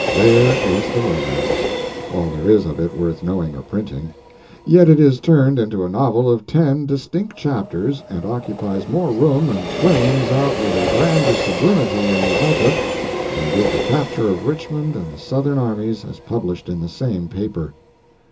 There is the romance—all there is of it worth knowing or printing—yet it is turned into a novel of ten distinct chapters, and occupies more room and flames out with a grander sublimity in the Alta than did the capture of Richmond and the Southern armies, as published in the same paper.